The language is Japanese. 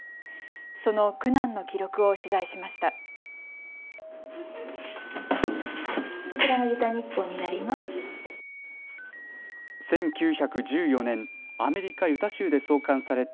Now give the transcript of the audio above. その苦難の記録を取材しました。